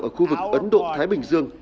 ở khu vực ấn độ thái bình dương